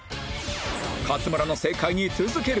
勝村の正解に続けるか？